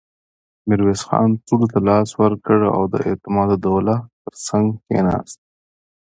ميرويس خان ټولو ته لاس ورکړ او د اعتماد الدوله تر څنګ کېناست.